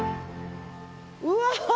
うわ！